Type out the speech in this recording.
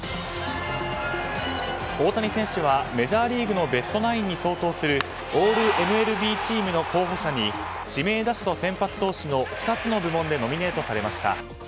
大谷選手はメジャーリーグのベストナインに相当するオールＭＬＢチームの候補者に指名打者と先発投手の２つの部門でノミネートされました。